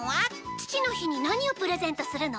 父の日に何をプレゼントするの？